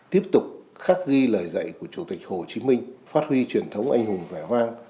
tiếp tục khắc ghi lời dạy của chủ tịch hồ chí minh phát huy truyền thống anh hùng vẻ vang